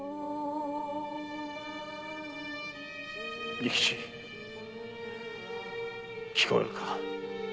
仁吉聴こえるか？